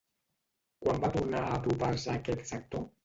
Quan va tornar a apropar-se a aquest sector?